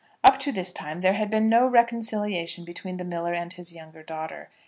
Up to this time there had been no reconciliation between the miller and his younger daughter.